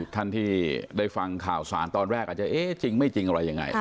ท่านที่ได้ฟังข่าวสารตอนแรกอาจจะเอ๊ะจริงไม่จริงอะไรยังไง